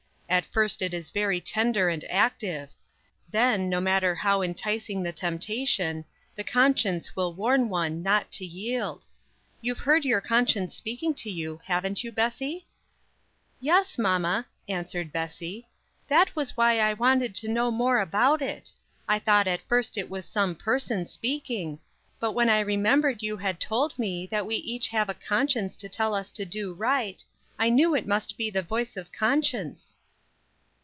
At first it is very tender and active. Then, no matter how enticing the temptation, the conscience will warn one not to yield. You've heard your conscience speaking to you, haven't you, Bessie?" "Yes, Mama," answered Bessie; "that was why I wanted to know more about it. I thought at first it was some person speaking; but when I remembered you had told me that we each have a conscience to tell us to do right, I knew it must be the voice of conscience."